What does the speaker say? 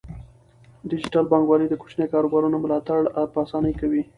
ډیجیټل بانکوالي د کوچنیو کاروبارونو ملاتړ په اسانۍ کوي.